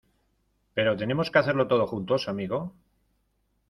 pero tenemos que hacerlo todos juntos, amigo.